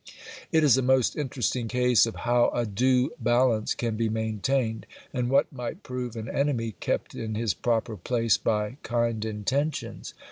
It is a most interesting case of how a due balance can be maintained, and what might prove an enemy kept in his proper place by kind intentions.